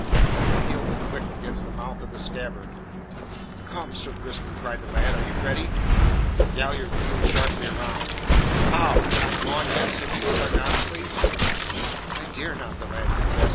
As the hilt clicked against the mouth of the scabbard: "Come, Sir Crispin!" cried the lad. "Are you ready?" Galliard wheeled sharply round. "How? Not gone yet?" said he sardonically. "I dare not," the lad confessed.